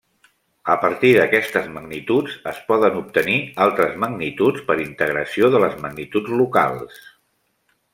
A partir d'aquestes magnituds, es poden obtenir altres magnituds per integració de les magnituds locals.